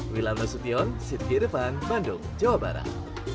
wilham rasution siti irfan bandung jawa barat